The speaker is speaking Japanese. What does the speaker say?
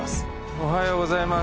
おはようございます。